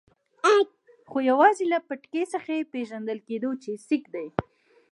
خو یوازې له پټکي څخه یې پېژندل کېدو چې سېک دی.